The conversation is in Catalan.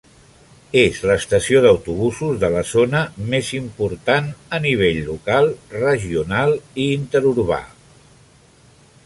És l'estació d'autobusos de la zona més important a nivell local, regional i interurbana.